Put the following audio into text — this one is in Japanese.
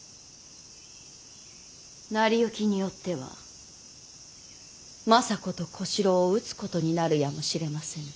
成り行きによっては政子と小四郎を討つことになるやもしれませぬ。